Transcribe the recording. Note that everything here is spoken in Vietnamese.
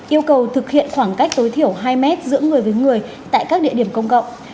yêu cầu thực hiện khoảng cách tối thiểu hai mét giữa người với người tại các địa điểm công cộng